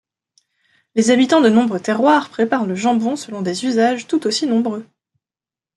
Les habitants de nombreux terroirs préparent le jambon selon des usages tout aussi nombreux.